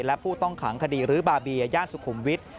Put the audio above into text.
และผู้ต้องขังคดีรื้อบาเบียย่านสุขุมวิทย์